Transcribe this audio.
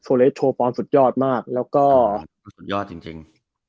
เลสโชว์ฟอร์มสุดยอดมากแล้วก็สุดยอดจริง